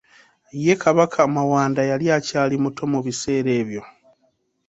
Ye Kabaka Mawanda yali akyali muto mu biseera ebyo.